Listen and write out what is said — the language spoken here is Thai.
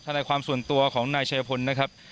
นายความส่วนตัวของนายชายพลนะครับ